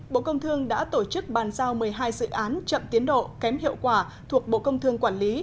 bộ công thương đã tổ chức bàn giao một mươi hai dự án chậm tiến độ kém hiệu quả thuộc bộ công thương quản lý